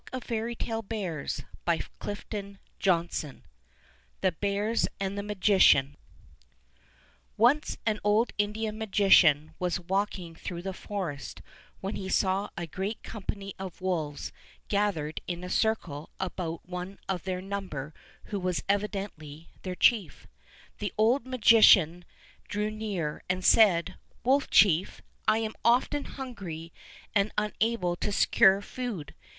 ♦ Iff ;;7 THE BEARS AND THE MAGICIAN THE BEARS AND THE MAGICIAN O NCE an old Indian magician was walk ing through the forest when he saw a great company of wolves gathered in a circle about one of their number who was evidently their chief. The old magician drew near and said, '"Wolf chief, I am often hungry and unable to secure food.